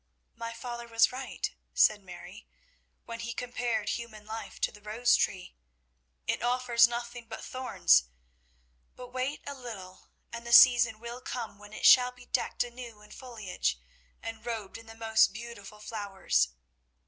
"My father was right," said Mary, "when he compared human life to the rose tree. It offers nothing but thorns; but wait a little and the season will come when it shall be decked anew in foliage and robed in the most beautiful flowers.